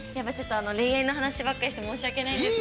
◆恋愛の話ばかりして申しわけないんですけど。